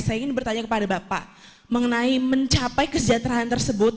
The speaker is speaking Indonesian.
saya ingin bertanya kepada bapak mengenai mencapai kesejahteraan tersebut